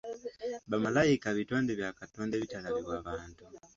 Bamalayika bitonde bya Katonda ebitalabibwa bantu.